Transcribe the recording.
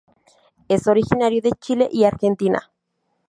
Es originario de Chile y Argentina.